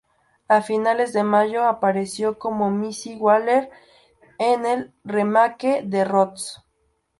A finales de mayo apareció como "Missy Waller" en el remake de Roots.